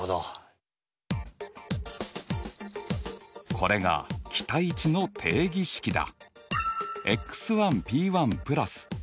これが期待値の定義式だ。